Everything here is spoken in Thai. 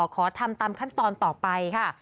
ขอทำตามขั้นตอนต่อไปค่ะ